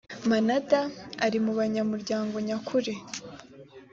manada ari mu banyamuryango nyakuri